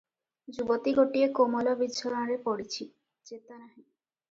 ଯୁବତୀ ଗୋଟିଏ କୋମଳ ବିଛଣାରେ ପଡ଼ିଛି, ଚେତା ନାହିଁ ।